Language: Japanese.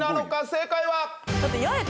正解は。